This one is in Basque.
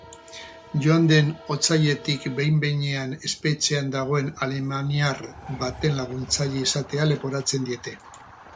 Joan den otsailetik behin-behinean espetxean dagoen alemaniar baten laguntzaile izatea leporatzen diete.